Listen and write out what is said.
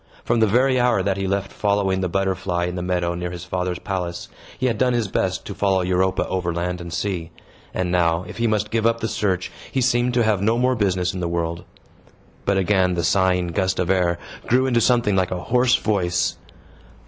From the very hour that he left following the butterfly in the meadow, near his father's palace, he had done his best to follow Europa, over land and sea. And now, if he must give up the search, he seemed to have no more business in the world. But again the sighing gust of air grew into something like a hoarse voice.